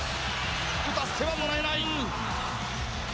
打たせてはもらえない。